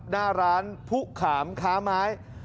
หน้าร้านผู้ขามค้าไม้